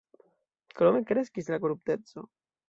Krome kreskis la korupteco.